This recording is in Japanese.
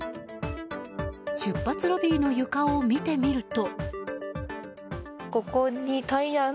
出発ロビーの床を見てみると。